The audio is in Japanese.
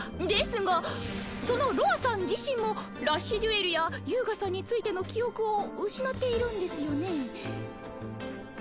ですがそのロアさん自身もラッシュデュエルや遊我さんについての記憶を失っているんですよね。